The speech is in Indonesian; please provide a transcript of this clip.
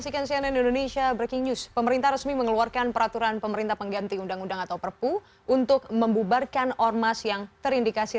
cnn indonesia breaking news